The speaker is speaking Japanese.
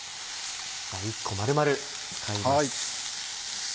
１個丸々使います。